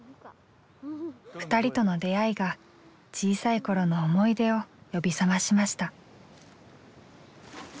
２人との出会いが小さい頃の思い出を呼び覚ましました。